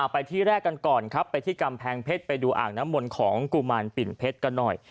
ไปที่แรกกันก่อนครับไปที่กำแพงเพชรไปดูอ่างน้ำมนต์ของกุมารปิ่นเพชรกันหน่อย